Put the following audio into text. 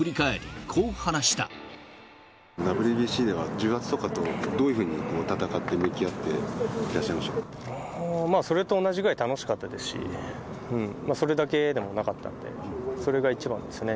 ＷＢＣでは、重圧とかと、どういうふうに戦って向き合っていらっしゃいましたそれと同じぐらい楽しかったですし、それだけでもなかったんで、それが一番ですね。